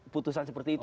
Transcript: putusan seperti itu